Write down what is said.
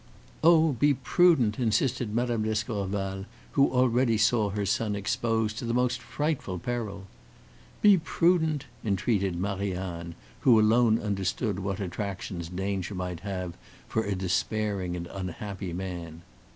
"Oh! be prudent!" insisted Mme. d'Escorval, who already saw her son exposed to the most frightful peril. "Be prudent!" entreated Marie Anne, who alone understood what attractions danger might have for a despairing and unhappy man.